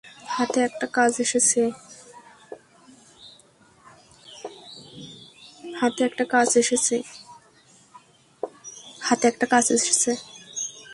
হাতে একটা কাজ এসেছে।